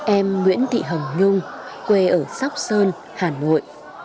em nguyễn thị hồng nhung quê ở sóc sơn hà nội